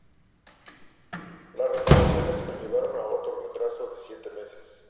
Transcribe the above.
Las reparaciones conllevaron otro retraso de siete meses.